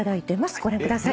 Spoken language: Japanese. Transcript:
ご覧ください。